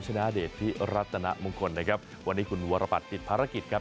ชนะเดชพิรัตนมงคลนะครับวันนี้คุณวรบัตรติดภารกิจครับ